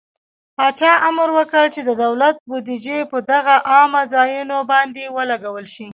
پاچا امر وکړ چې د دولت بودجې د په عامه ځايونو باندې ولګول شي.